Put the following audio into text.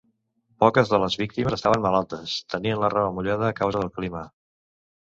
Poques de les víctimes estaven malaltes, tenint la roba mullada a causa del clima.